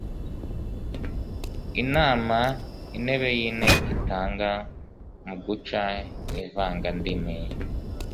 inama intebe y'inteko itanga mu guca ivangandimi